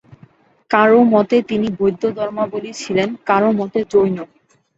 কারও মতে, তিনি বৌদ্ধ ধর্মাবলম্বী ছিলেন, কারও মতে জৈন।